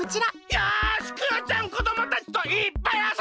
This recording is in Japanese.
よしクヨちゃんこどもたちといっぱいあそんじゃうぞ！